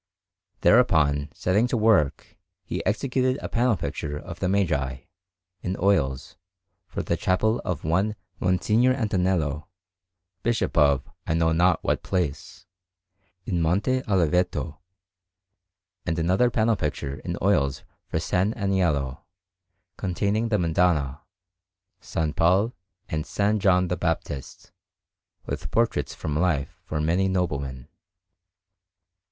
Thereupon, setting to work, he executed a panel picture of the Magi, in oils, for the chapel of one M. Antonello, Bishop of I know not what place, in Monte Oliveto, and another panel picture in oils for S. Aniello, containing the Madonna, S. Paul, and S. John the Baptist, with portraits from life for many noblemen.